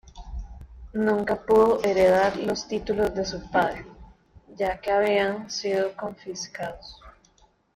Nunca pudo heredar los títulos de su padre, ya que habían sido confiscados.